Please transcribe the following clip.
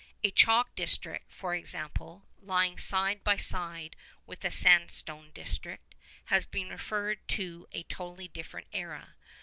A chalk district, for example, lying side by side with a sandstone district, has been referred to a totally different era.